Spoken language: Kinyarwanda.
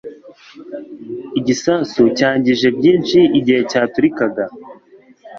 Igisasu cyangije byinshi igihe cyaturikaga.